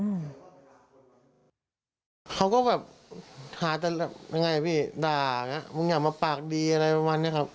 เขาก็แบบหาแต่แบบยังไงพี่ด่าอย่างนี้มึงอยากมาปากดีอะไรประมาณเนี้ยครับ